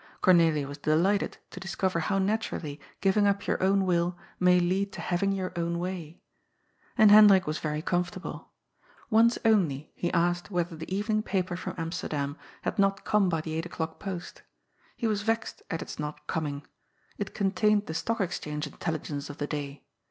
Cornelia was delighted to discover how naturally giving up your own will may lead to having your own way. And Hendrik was very comfortable. Once only he asked whether the evening paper from Amsterdam had not come by the eight o'clock post. He was vexed at its not coming ; it con tained the Stock Exchange Intelligence of the day.